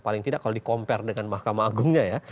paling tidak kalau dikompare dengan mahkamah agungnya